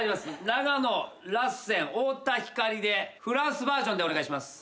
永野「ラッセン」太田光でフランスバージョンでお願いします。